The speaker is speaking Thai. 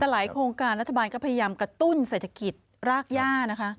แต่หลายโครงการรัฐบาลก็พยายามกระตุ้นเศรษฐกิจรากย่านะคะ